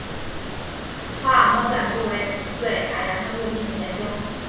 帕尔默站多为对海洋生物进行研究。